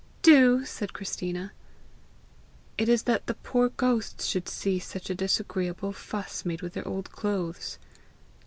"Do," said Christina. "It is that the poor ghosts should see such a disagreeable fuss made with their old clothes."